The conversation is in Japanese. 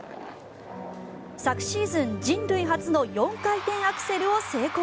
昨シーズン人類初の４回転アクセルを成功。